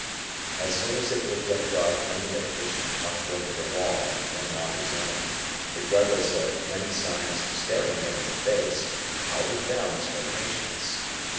As soon as it would get dark many a patient climbed over the wall and went "on his own," regardless of many signs staring him in the face, "Out of bounds for patients."